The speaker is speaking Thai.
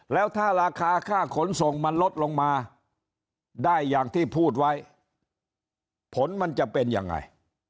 แล้วถ้าราคาค่าขนส่งมันลดลงมาได้อย่างที่พูดไว้ผลมันจะเป็นยังไง